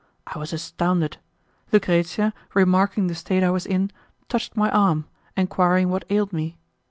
I was astounded. Lucrezia, remarking the state I was in, touched my arm, enquiring what ailed me.